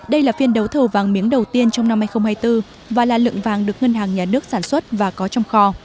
đây là phiên đấu thầu vàng miếng đầu tiên trong năm hai nghìn hai mươi bốn và là lượng vàng được ngân hàng nhà nước sản xuất và có trong kho